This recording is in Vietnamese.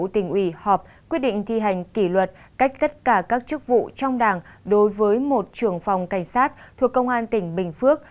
các chức tất cả các chức phụ trong đảng đối với một trưởng phòng cảnh sát thuộc công an tỉnh bình phước